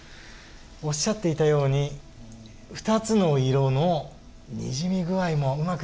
おっしゃっていたように２つの色のにじみ具合もうまく出てますね。